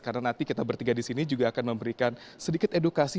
karena nanti kita bertiga di sini juga akan memberikan sedikit edukasi